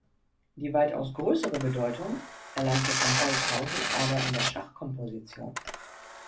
Die weitaus größere Bedeutung erlangte von Holzhausen aber in der Schachkomposition.